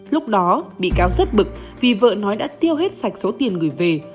lúc đó bị cáo rất bực vì vợ nói đã tiêu hết sạch số tiền gửi về